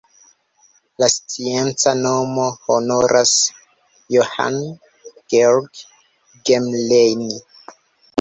La scienca nomo honoras Johann Georg Gmelin.